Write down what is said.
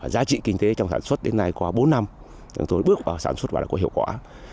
giá trị kinh tế trong sản xuất đến nay qua bốn năm chúng tôi bước vào sản xuất và đã có hiệu quả